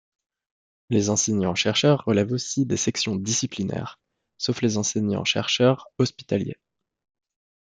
Les enseignants-chercheurs relèvent aussi des sections disciplinaires, sauf les enseignants-chercheurs hospitaliers.